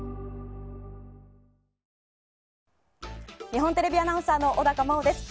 日本テレビアナウンサーの小高茉緒です。